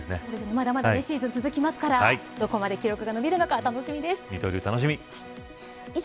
まだまだ今シーズン続きますからどこまで記録が伸びるか楽しみです。